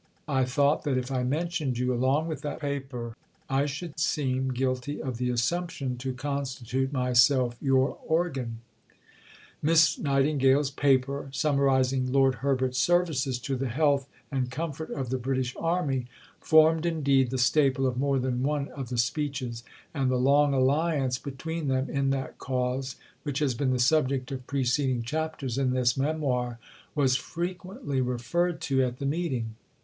I thought that if I mentioned you along with that paper, I should seem guilty of the assumption to constitute myself your organ." Miss Nightingale's Paper, summarizing Lord Herbert's services to the health and comfort of the British Army, formed, indeed, the staple of more than one of the speeches, and the long alliance between them in that cause, which has been the subject of preceding chapters in this Memoir, was frequently referred to at the meeting.